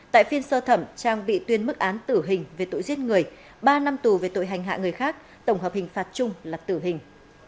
tại phiên sơ thẩm trang bị tuyên mức án tử hình về tội giết người ba năm tù về tội hành hạ người khác tổng hợp hình phạt chung là tử hình